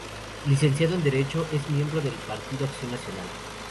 Licenciado en Derecho, es miembro del Partido Acción Nacional.